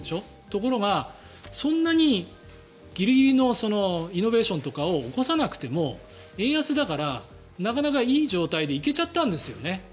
ところがそんなにギリギリのイノベーションとかを起こさなくても円安だからなかなかいい状態で行けちゃったんですよね。